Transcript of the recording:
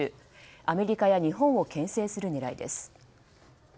アメリカや日本を牽制する狙いです。